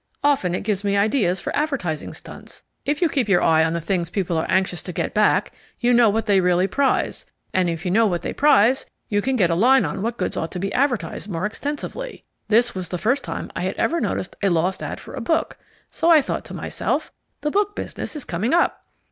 Often it gives me ideas for advertising stunts. If you keep an eye on the things people are anxious to get back, you know what they really prize, and if you know what they prize you can get a line on what goods ought to be advertised more extensively. This was the first time I had ever noticed a LOST ad for a book, so I thought to myself "the book business is coming up."